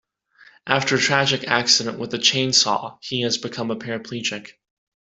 After a tragic accident with a chainsaw he has become a paraplegic.